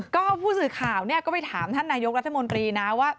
ก็ผู้สื่อข่าวเนี่ยก็ไปถามท่านนายกรัฐมนตรีนะว่า